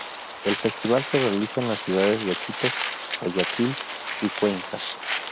El festival se realiza en las ciudades de Quito, Guayaquil y Cuenca.